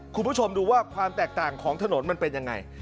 คุณผู้ชมดูว่าความแตกต่างของถนนมันเป็นยังไง